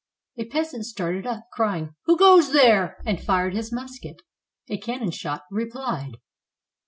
A peasant started up, crying, "Who goes there?" and fired his musket; a cannon shot replied.